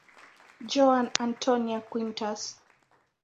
Joana Antónia Quintas.